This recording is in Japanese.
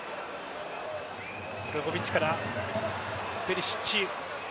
ブロゾヴィッチからペリシッチ。